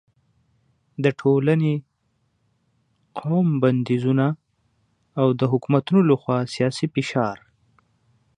د ټولنې، قوم بندیزونه او د حکومتونو له خوا سیاسي فشار